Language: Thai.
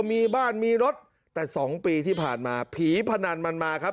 มีบ้านมีรถแต่๒ปีที่ผ่านมาผีพนันมันมาครับ